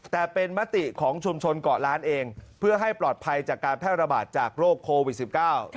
แต่เป็นมติของชุมชนเกาะล้านเองเพื่อให้ปลอดภัยจากการแพร่ระบาดจากโรคโควิดสิบเก้า